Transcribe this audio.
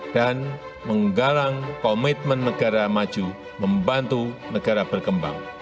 dan menggalang komitmen negara maju membantu negara berkembang